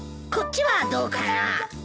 こっちはどうかな？